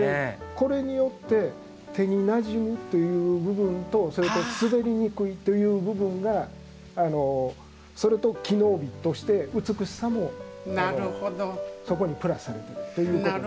これによって手になじむという部分とそれと滑りにくいという部分がそれと機能美として美しさもそこにプラスされてるということです。